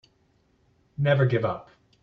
Never give up.